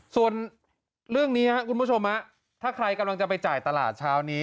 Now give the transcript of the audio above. ส่วนเรื่องนี้ครับคุณผู้ชมถ้าใครกำลังจะไปจ่ายตลาดเช้านี้